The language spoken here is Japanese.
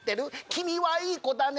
君はいい子だね